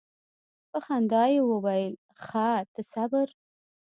په خندا یې وویل ښه ته صبر.